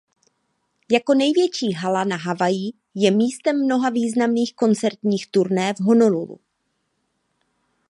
Jako největší hala na Havaji je místem mnoha významných koncertních turné v Honolulu.